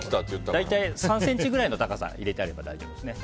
大体３ｃｍくらいの高さ入れてあれば大丈夫です。